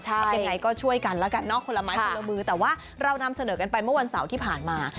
ยังไงก็ช่วยกันแล้วกันเนอะคนละไม้คนละมือแต่ว่าเรานำเสนอกันไปเมื่อวันเสาร์ที่ผ่านมา